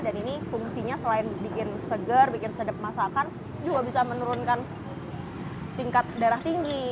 dan ini fungsinya selain bikin seger bikin sedap masakan juga bisa menurunkan tingkat darah tinggi